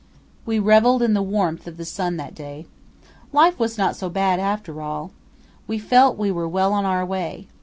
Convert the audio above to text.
We revelled in the warmth of the sun that day. Life was not so bad, after all. We felt we were well on our way.